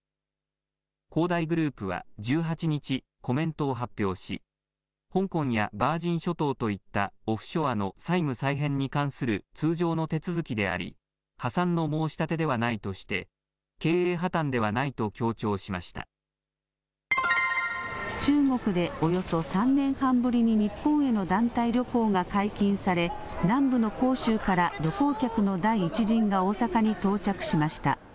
恒大グループは１８日、コメントを発表し、香港やバージン諸島といったオフショアの債務再編に関する通常の手続きであり、破産の申し立てではないとして、経営破綻ではない中国でおよそ３年半ぶりに日本への団体旅行が解禁され、南部の広州から旅行客の第１陣が大阪に到着しました。